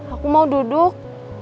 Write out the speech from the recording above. aku mau duduk